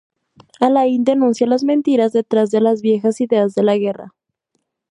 Alain denuncia las mentiras detrás de las viejas ideas de la guerra.